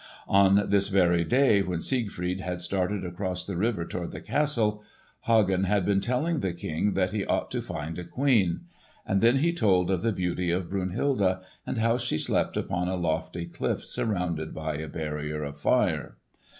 On this very day when Siegfried had started across the river toward the castle, Hagen had been telling the King that he ought to find a queen. And then he told of the beauty of Brunhilde, and how she slept upon a lofty cliff surrounded by a barrier of fire.